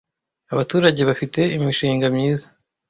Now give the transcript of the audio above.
Abaturage bafite imishinga myiza